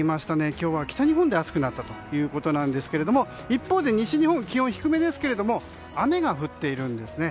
今日は北日本で暑くなったということですが一方で、西日本は気温が低めですが雨が降っているんです。